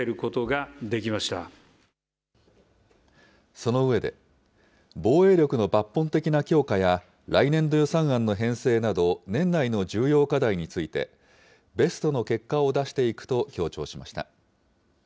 その上で、防衛力の抜本的な強化や来年度予算案の編成など年内の重要課題について、ベストの結果を出していくと強調しました。